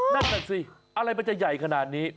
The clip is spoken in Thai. นั่นแหละสิอะไรมันจะใหญ่ขนาดนี้